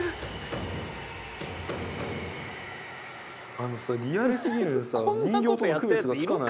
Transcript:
あのさリアルすぎるんさ人形との区別がつかない。